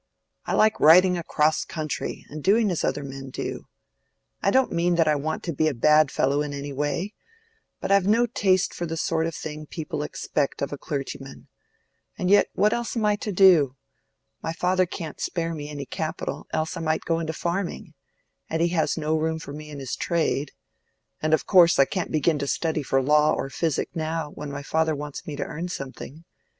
I like riding across country, and doing as other men do. I don't mean that I want to be a bad fellow in any way; but I've no taste for the sort of thing people expect of a clergyman. And yet what else am I to do? My father can't spare me any capital, else I might go into farming. And he has no room for me in his trade. And of course I can't begin to study for law or physic now, when my father wants me to earn something.